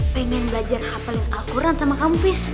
pengen belajar hafalin alquran sama kamu fizz